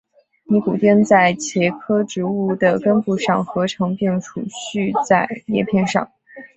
尼古丁在茄科植物的根部上合成并蓄积在叶片上。